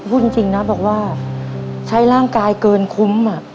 พูดจริงนะบอกว่าใช้ร่างกายเกินคุ้ม